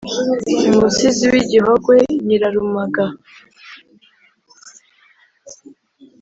umusizi w’i gihogwe nyirarumaga